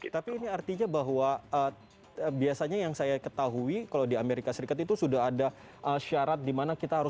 tapi ini artinya bahwa biasanya yang saya ketahui kalau di amerika serikat itu sudah ada syarat dimana kita harus